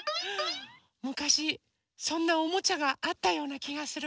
むかしそんなおもちゃがあったようなきがする。